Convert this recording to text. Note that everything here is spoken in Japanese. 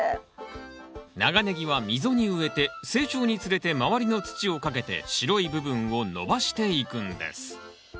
長ネギは溝に植えて成長につれて周りの土をかけて白い部分を伸ばしていくんです。